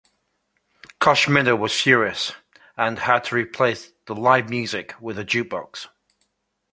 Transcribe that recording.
Koschmider was furious, and had to replace the live music with a juke box.